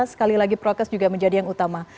sekali lagi prokes juga menjadi yang utama